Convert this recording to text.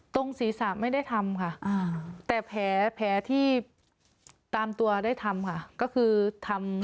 ตรงศีรษะไม่ได้ทำค่ะแต่แผลที่ตามตัวได้ทำค่ะก็คือทำ